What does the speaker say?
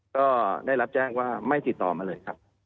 ก็ได้รับแจ้งว่าไม่ติดต่อมาเลยครับ